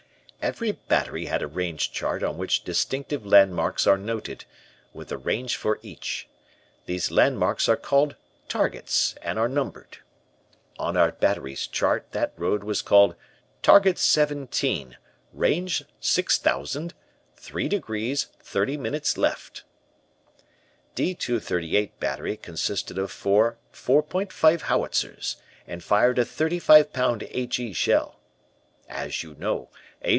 "Every battery has a range chart on which distinctive landmarks are noted, with the range for each. These landmarks are called targets, and are numbered. On our battery's chart, that road was called 'Target Seventeen, Range 6000, three degrees, thirty minutes left'. D 238 Battery consisted of four '4.5' howitzers, and fired a thirty five pound H. E. shell. As you know, H.